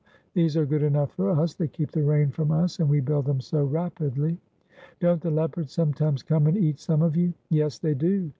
These are good enough for us; they keep the rain from us, and we build them so rapidly." "Don't the leopards sometimes come and eat some of you?" "Yes, they do!"